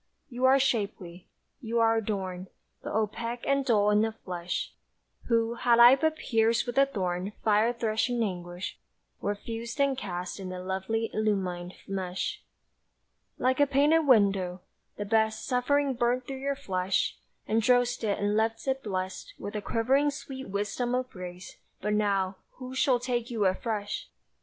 You are shapely, you are adorned, But opaque and dull in the flesh, Who, had I but pierced with the thorned Fire threshing anguish, were fused and cast In a lovely illumined mesh. Like a painted window: the best Suffering burnt through your flesh, Undrossed it and left it blest With a quivering sweet wisdom of grace: but now Who shall take you afresh?